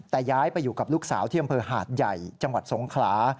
แต่ย้ายไปอยู่กับลูกสาวที่อำเภอหาดใหญ่จังหวัดสงขลา